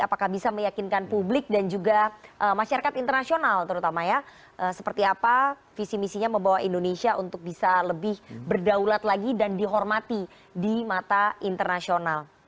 apakah bisa meyakinkan publik dan juga masyarakat internasional terutama ya seperti apa visi misinya membawa indonesia untuk bisa lebih berdaulat lagi dan dihormati di mata internasional